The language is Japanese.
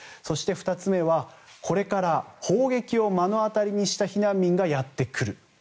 そして２つ目は、これから砲撃を目の当たりにした避難民がやってくる。